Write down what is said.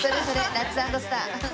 ラッツ＆スター。